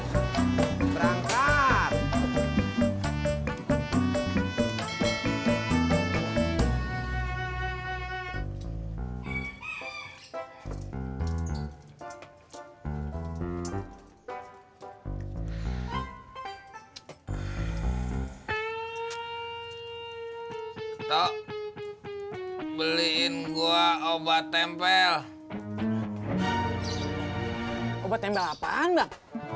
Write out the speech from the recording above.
hai beliin gua obat tempel obat tempel apaan